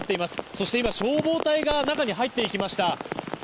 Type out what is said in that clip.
そして今、消防隊が中に入っていきました。